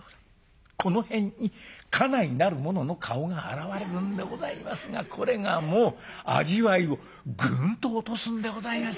この辺に家内なる者の顔が現れるんでございますがこれがもう味わいをぐんと落とすんでございます。